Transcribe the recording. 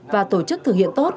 và tổ chức thực hiện tốt